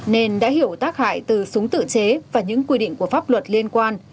nên đã hiểu tác hại từ súng tự chế và những quy định của pháp luật liên quan